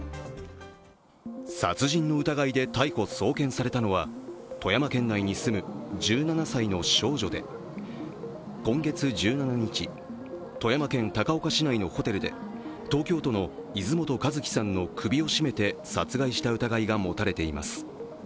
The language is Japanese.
殺人の疑いで逮捕・送検されたのは富山県内に住む１７歳の少女で今月１７日、富山県高岡市内のホテルで東京都の泉本知希さんの首を絞めて殺害した疑いが持たれています。